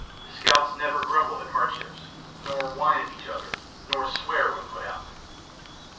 Scouts never grumble at hardships, nor whine at each other, nor swear when put out.